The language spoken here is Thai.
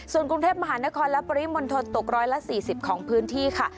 ส่วนกรุงเทพมหานครและปริมณฑลตก๑๔๐ของพื้นที่ค่ะ